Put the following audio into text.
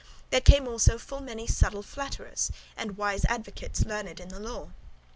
There come also full many subtle flatterers, and wise advocates learned in the law.